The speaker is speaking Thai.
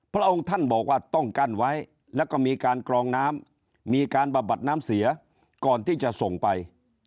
พระองค์ท่านบอกว่าต้องกั้นไว้แล้วก็มีการกรองน้ำมีการบำบัดน้ำเสียก่อนที่จะส่งไป